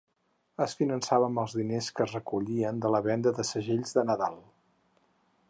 Es finançava amb els diners que es recollien de la venda de segells de Nadal.